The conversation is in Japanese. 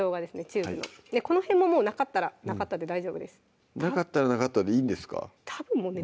チューブのこの辺ももうなかったらなかったで大丈夫ですなかったらなかったでいいんですかたぶんもうね